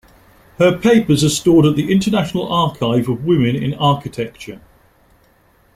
Her papers are stored at the International Archive of Women in Architecture.